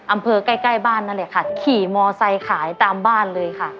ใกล้ใกล้บ้านนั่นแหละค่ะขี่มอไซค์ขายตามบ้านเลยค่ะ